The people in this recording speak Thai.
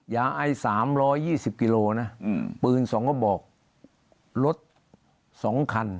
ยาไอ๓๒๐กิโลนะปืนสองก็บอกลดสองคัน